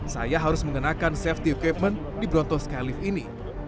saya harus mengenakan safety equipment di bronto skylift ini